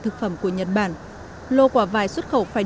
tự hành với các tài năng